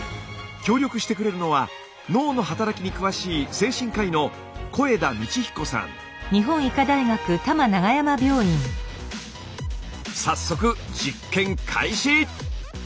協力してくれるのは脳の働きに詳しい精神科医の早速実験開始！